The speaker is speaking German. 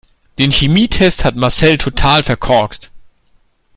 Den Chemietest hat Marcel total verkorkst.